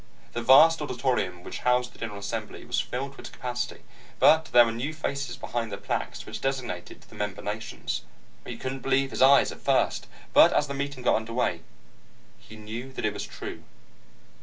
The vast auditorium which housed the general assembly was filled to its capacity, but there were new faces behind the plaques which designated the member nations. He couldn't believe his eyes at first, but as the meeting got under way, he knew that it was true.